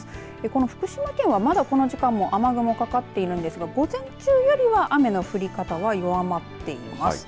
福島県はまだこの時間も雨雲かかっているんですが午前中よりは雨の降り方を弱まっています。